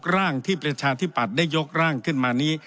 ร่างที่ประชาธิปัตย์ได้ยกร่างขึ้นมานี้